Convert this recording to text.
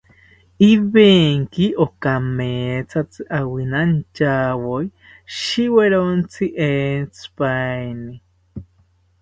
Ivenki okamethatzi awinantyawori shiwerontzi entzipaeni